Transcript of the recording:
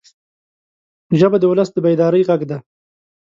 ژبه د ولس د بیدارۍ غږ ده